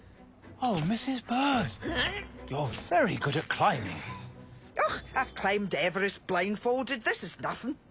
あっ。